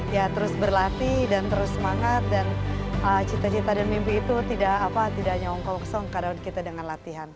ya terus berlatih dan terus semangat dan cita cita dan mimpi itu tidak apa apa tidak nyongkok kosong karena kita dengan latihan